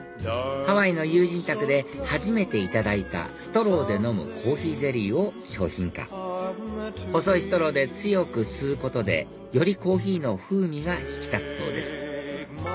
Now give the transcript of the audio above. ハワイの友人宅で初めていただいたストローで飲むコーヒーゼリーを商品化細いストローで強く吸うことでよりコーヒーの風味が引き立つそうです